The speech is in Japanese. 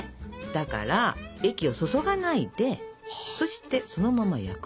だから液を注がないでそしてそのまま焼くと。